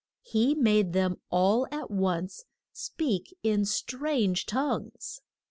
He made them all at once speak in strange tongues.